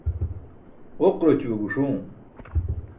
Ġoquraćue guṣuum.